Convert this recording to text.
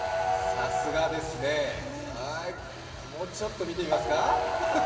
さすがですね、もうちょっと見てみますか？